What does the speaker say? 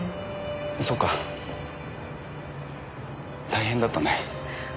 そっか大変だったね。